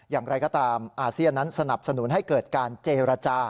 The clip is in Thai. อย่างไรก็ตามอาเซียนนั้นสนับสนุนให้เกิดการเจรจา